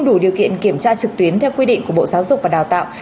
đủ điều kiện kiểm tra trực tuyến theo quy định của bộ giáo dục và đào tạo